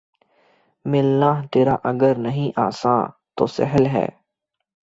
ملنا تیرا اگر نہیں آساں‘ تو سہل ہے